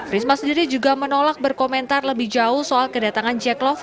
risma sendiri juga menolak berkomentar lebih jauh soal kedatangan